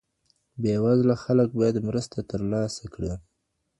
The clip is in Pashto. بې وزله خلګ باید مرسته ترلاسه کړي.